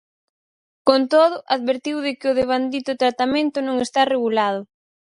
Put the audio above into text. Con todo, advertiu de que o devandito tratamento "non está regulado".